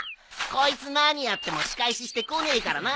こいつ何やっても仕返ししてこねえからな。